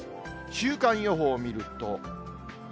週間予報を見ると。